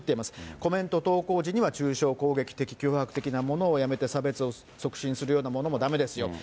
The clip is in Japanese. コメント投稿時には中傷、攻撃的、脅迫的なものはやめて、差別を促進するようなものもだめですよと。